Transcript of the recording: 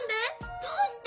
どうして？